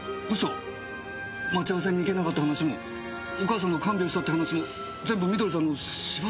待ち合わせに行けなかった話もお母さんの看病をしたって話も全部美登里さんの芝居？